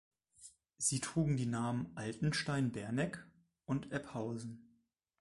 Sie trugen die Namen "Altensteig, Berneck" und "Ebhausen"